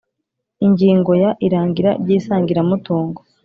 Ingingo ya irangira ry isangiramutungo